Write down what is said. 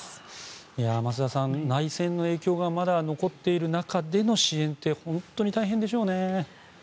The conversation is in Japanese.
増田さん内戦の影響がまだ残っている中での支援って本当に大変でしょうね。